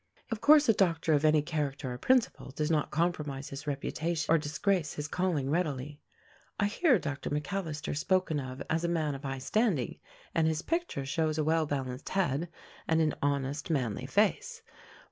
Of course a doctor of any character or principle does not compromise his reputation or disgrace his calling readily. I hear Doctor McAllister spoken of as a man of high standing, and his picture shows a well balanced head and an honest, manly face.